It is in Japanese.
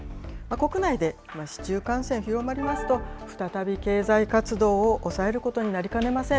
国内で市中感染、広まりますと、再び経済活動を抑えることになりかねません。